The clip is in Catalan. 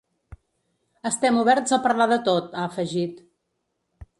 Estem oberts a parlar de tot, ha afegit.